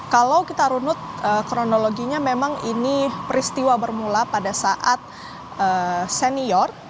kalau kita runut kronologinya memang ini peristiwa bermula pada saat senior